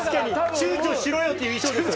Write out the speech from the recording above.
ちゅうちょしろよっていう衣装ですよ